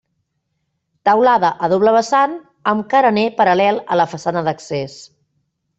Teulada a doble vessant amb carener paral·lel a la façana d'accés.